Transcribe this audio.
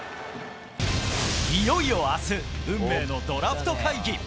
いよいよ明日運命のドラフト会議。